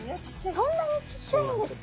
そんなにちっちゃいんですか？